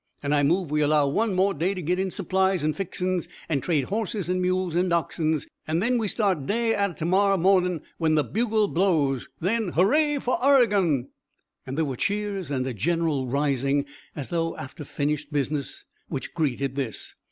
An' I move we allow one more day to git in supplies an' fixin's, an' trade hosses an' mules an' oxens, an' then we start day atter to morrow mornin' when the bugle blows. Then hooray fer Oregon!" There were cheers and a general rising, as though after finished business, which greeted this.